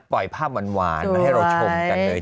ปล่อยภาพหวานมาให้เราชมกันเลย